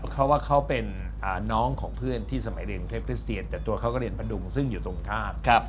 เขาว่าเขาเป็นน้องของเพื่อนที่สมัยเรียนกรุงเทพคริสเซียนแต่ตัวเขาก็เรียนประดุงซึ่งอยู่ตรงข้าม